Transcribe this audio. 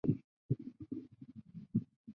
他的表现赢得了关注。